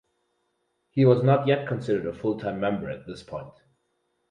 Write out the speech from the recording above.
He was not yet considered a full-time member at this point.